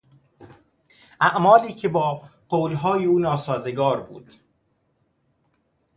اعمالی که با قولهای او ناسازگار بود